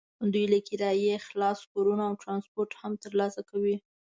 دوی له کرایې خلاص کورونه او ټرانسپورټ هم ترلاسه کوي.